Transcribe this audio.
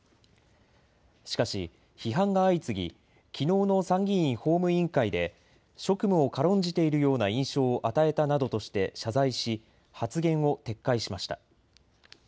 しかし批判が相次ぎきのうの参議院法務委員会で職務を軽んじているような印象を与えたなどとして謝罪し発言を撤回しました。